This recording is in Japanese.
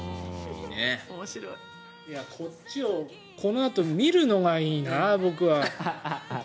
こっちをこのあと見るのがいいな。